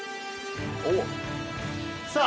おっさあ